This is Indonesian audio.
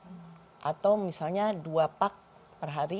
maka maksudnya dua pack per hari